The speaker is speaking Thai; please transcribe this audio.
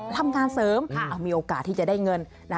ทำงานเสริมมีโอกาสที่จะได้เงิน